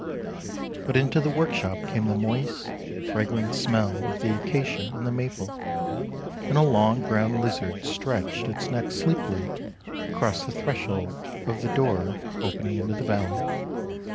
But into the workshop came the moist, fragrant smell of the acacia and the maple, and a long brown lizard 352 THE LANE THAT HAD NO TURNING stretched its neck sleepily across the threshold of the door opening into the valley.